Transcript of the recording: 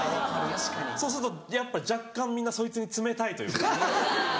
そうするとやっぱり若干みんなそいつに冷たいというか。